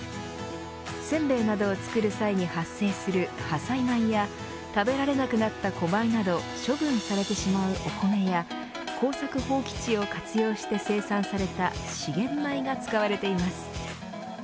せんべいなどを作る際に発生する破砕米や食べられなくなった古米など処分されてしまうお米や耕作放棄地を活用して生産された資源米が使われています。